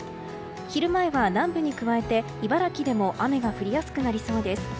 昼前は南部に加えて茨城でも雨が降りやすくなりそうです。